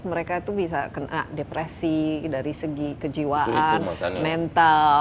mereka itu bisa kena depresi dari segi kejiwaan mental